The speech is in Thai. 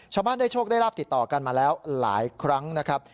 ชาวบ้านได้โชคได้ราบติดต่อกันมาแล้วหลายครั้งนะครับ